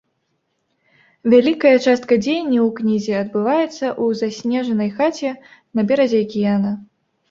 Вялікая частка дзеянняў у кнізе адбываецца ў заснежанай хаце на беразе акіяна.